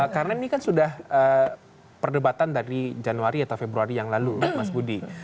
karena ini kan sudah perdebatan dari januari atau februari yang lalu mas budi